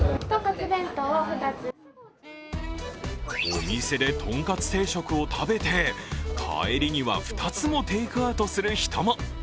お店でとんかつ定食を食べて、帰りには２つもテイクアウトする人も。